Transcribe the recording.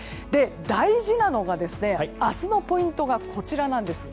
大事なのが明日のポイントがこちらです。